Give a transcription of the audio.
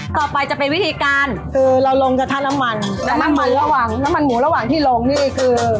ต่อไปจะเป็นวิธีการคือเราลงกระทะน้ำมันและน้ำมันระหว่างน้ำมันหมูระหว่างที่ลงนี่คือ